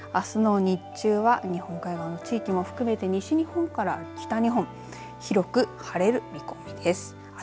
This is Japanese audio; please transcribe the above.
あすの日中は日本海側の地域も含めて西日本から北日本広く晴れる見込みです。